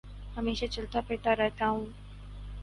ہمیشہ چلتا پھرتا رہتا ہوں